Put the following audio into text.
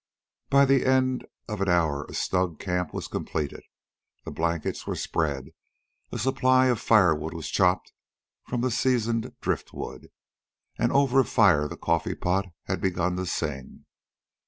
By the end of an hour a snug camp was completed. The blankets were spread, a supply of firewood was chopped from the seasoned driftwood, and over a fire the coffee pot had begun to sing.